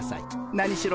何しろ